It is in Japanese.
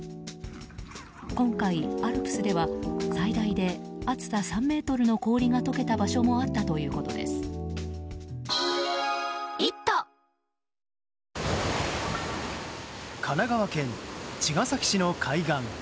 今回、アルプスでは最大で厚さ３ｍの氷が溶けた場所も神奈川県茅ヶ崎市の海岸。